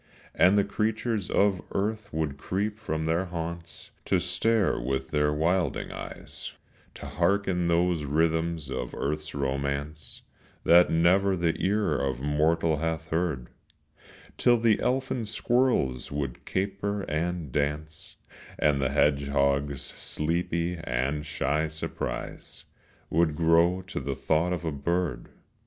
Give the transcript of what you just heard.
And the creatures of earth would creep from their haunts To stare with their wilding eyes, To hearken those rhythms of earth's romance, That never the ear of mortal hath heard; Till the elfin squirrels would caper and dance, And the hedgehog's sleepy and shy surprise Would grow to the thought of a bird.